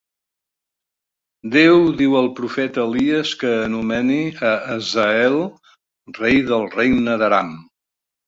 Déu diu al profeta Elies que anomeni a Hazael rei del regne d'Aram.